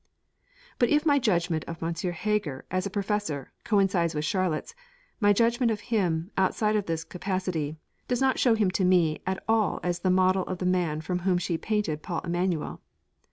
But if my judgment of M. Heger, as a Professor, coincides with Charlotte's, my judgment of him, outside of this capacity, does not show him to me at all as the model of the man from whom she painted Paul Emanuel.